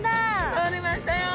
とれましたよ！